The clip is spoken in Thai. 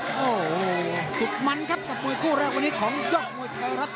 โอ้โหสุดมันครับกับมวยคู่แรกวันนี้ของยอดมวยไทยรัฐ